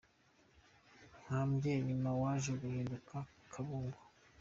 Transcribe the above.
Kambyeyi, nyuma waje guhinduka Kabungo